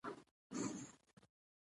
لومړې ماده: